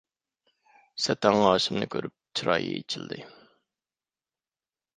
سەتەڭ ھاشىمنى كۆرۈپ چىرايى ئېچىلدى.